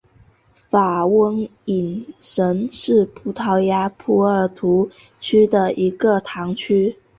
法翁伊什是葡萄牙波尔图区的一个堂区。